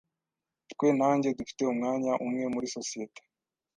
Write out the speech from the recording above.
Twe na njye dufite umwanya umwe muri sosiyete,